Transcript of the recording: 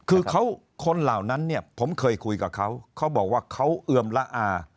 คือเขาคนเหล่านั้นเนี่ยผมเคยคุยกับเขาเขาบอกว่าเขาเอือมละอา